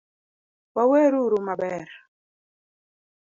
Waweruru maber